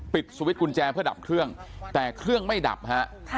สวิตช์กุญแจเพื่อดับเครื่องแต่เครื่องไม่ดับฮะ